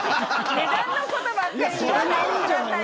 値段のことばっかり言わないで下さいよ。